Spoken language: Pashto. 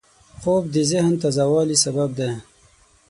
خوب د ذهن تازه والي سبب دی